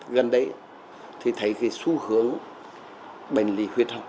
gần đấy thì thấy cái xu hướng bệnh lý huyết học